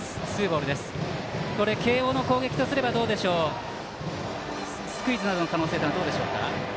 慶応の攻撃とすればスクイズなどの可能性というのはどうでしょうか。